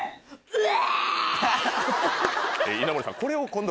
うわ！